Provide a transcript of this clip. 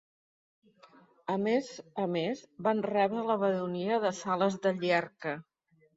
A més a més van rebre la baronia de Sales de Llierca.